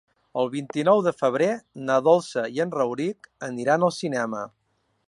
El vint-i-nou de febrer na Dolça i en Rauric aniran al cinema.